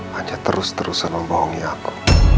hanya terus terusan membohongi aku